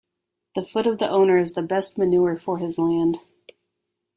The foot of the owner is the best manure for his land.